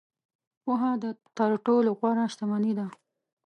• پوهه تر ټولو غوره شتمني ده.